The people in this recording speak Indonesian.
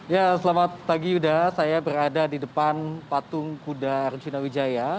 ya selamat pagi yuda saya berada di depan patung kuda arjuna wijaya